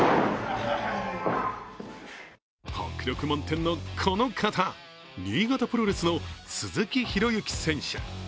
迫力満点のこの方、新潟プロレスの鈴木敬喜選手。